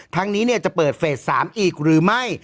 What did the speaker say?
ทั้งนี้จะเปิดเฟส๓อีกหรือไม่